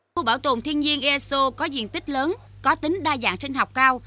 khu bảo tồn thiên nhiên eso có diện tích lớn có tính đa dạng sinh học cao